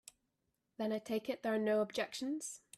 Then I take it there are no objections.